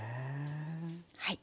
はい。